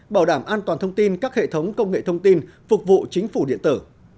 bảo đảm an toàn thông tin các hệ thống công nghệ thông tin phục vụ chính phủ điện tử